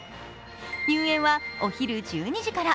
入園はお昼１２時から。